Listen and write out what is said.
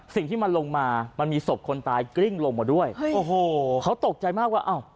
สิ่งที่มันลงมามันมีศพคนตายกริ้งลงมาด้วยโอ้โหเขาตกใจมากว่าอ้าว